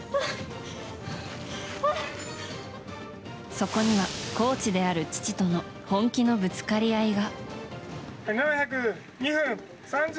そこにはコーチである父との本気のぶつかり合いが。